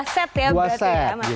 set ya berarti ya